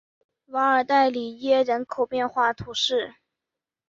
瓦尔代里耶人口变化图示